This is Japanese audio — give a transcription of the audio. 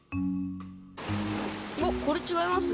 おっこれちがいます？